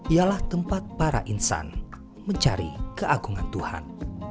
ialah tempat para insan mencari keagungan tuhan